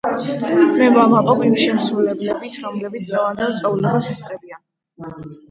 მე ვამაყობ იმ შემსრულებლებით, რომლებიც დღევანდელ წვეულებას ესწრებიან.